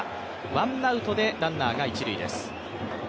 ワンアウトでランナーが一塁です。